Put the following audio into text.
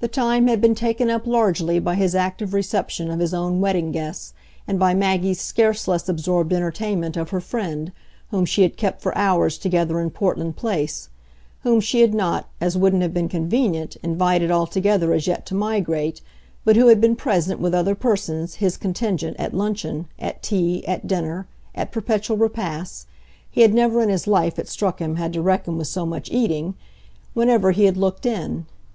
The time had been taken up largely by his active reception of his own wedding guests and by Maggie's scarce less absorbed entertainment of her friend, whom she had kept for hours together in Portland Place; whom she had not, as wouldn't have been convenient, invited altogether as yet to migrate, but who had been present, with other persons, his contingent, at luncheon, at tea, at dinner, at perpetual repasts he had never in his life, it struck him, had to reckon with so much eating whenever he had looked in.